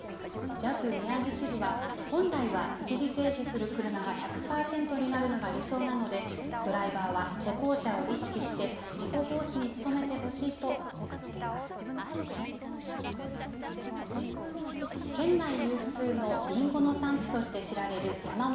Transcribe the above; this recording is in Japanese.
ＪＡＦ宮城支部は本来は一時停止する車が１００パーセントになるのが理想なので、ドライバーは歩行者を意識して事故防止に努めてほしいとコメントしています。